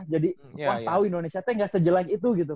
jadi orang tau indonesia tapi gak sejelang itu gitu